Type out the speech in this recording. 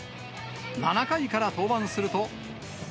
７回から登板すると。